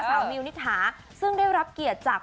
มิวนิษฐาซึ่งได้รับเกียรติจาก